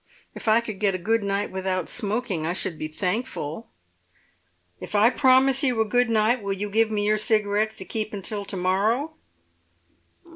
If I could get a good night without smoking I should be thankful." "If I promise you a good night will you give me your cigarettes to keep until to morrow?"